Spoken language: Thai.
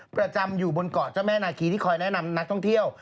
ประจำอยู่บนเกาะเจ้าแม่นาคีที่คอยแนะนำนักท่องเที่ยว